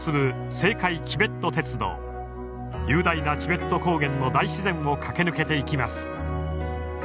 雄大なチベット高原の大自然を駆け抜けていきます。